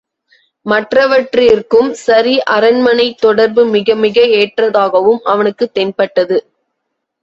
மற்றவற்றிற்கும் சரி அரண்மனைத் தொடர்பு மிகமிக ஏற்றதாகவும் அவனுக்குத் தென்பட்டது.